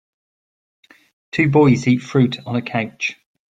Two boys eat fruit on a couch.